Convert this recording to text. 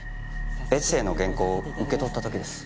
エッセーの原稿を受け取った時です。